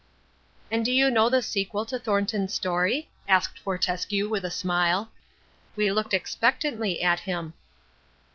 "And do you know the sequel to Thornton's story?" asked Fortescue with a smile. We looked expectantly at him.